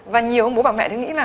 và nhiều bố bà mẹ thì nghĩ là